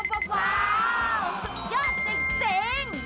สุดยอดจริง